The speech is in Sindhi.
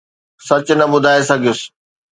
سچ نه ٻڌائي سگهيس.